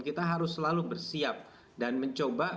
kita harus selalu bersiap dan mencoba